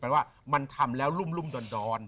แปลว่ามันทำแล้วรุ่มรุ่มดอน